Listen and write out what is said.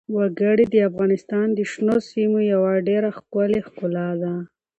وګړي د افغانستان د شنو سیمو یوه ډېره ښکلې ښکلا ده.